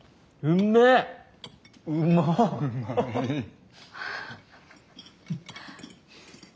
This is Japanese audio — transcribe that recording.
うまい。